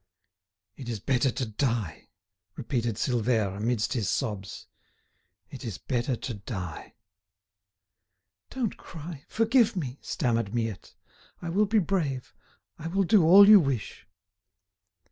"It is better to die," repeated Silvère, amidst his sobs; "it is better to die." "Don't cry; forgive me," stammered Miette. "I will be brave; I will do all you wish."